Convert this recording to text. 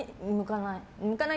向かない。